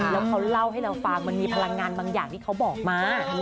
แล้วเขาเล่าให้เราฟังมันมีพลังงานบางอย่างที่เขาบอกมา